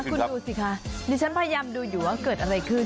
คุณดูสิคะดิฉันพยายามดูอยู่ว่าเกิดอะไรขึ้น